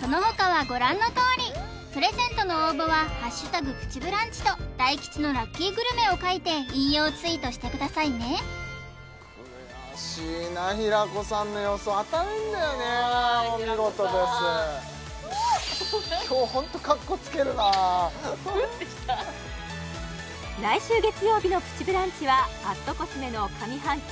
その他はご覧のとおりプレゼントの応募は「＃プチブランチ」と大吉のラッキーグルメを書いて引用ツイートしてくださいね悔しいな平子さんの予想当たるんだよねお見事です来週月曜日の「プチブランチ」は＠ｃｏｓｍｅの上半期